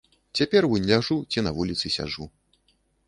Цяпер вунь ляжу ці на вуліцы сяджу.